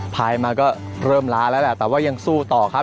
ภายมาก็เริ่มล้าแล้วแหละแต่ว่ายังสู้ต่อครับ